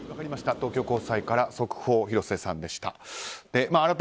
東京高裁から速報広瀬さんでした。